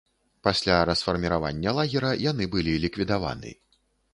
Пасля расфарміравання лагера, яны былі ліквідаваны.